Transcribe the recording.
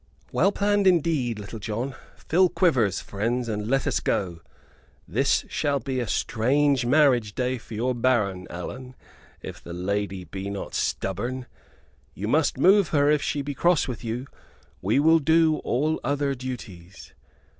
"Well planned, indeed, Little John. Fill quivers, friends, and let us go. This shall be a strange marriage day for your baron, Allan if the lady be not stubborn. You must move her, if she be cross with you. We will do all other duties."